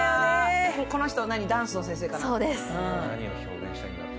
この人、ダンスの先生かなんか？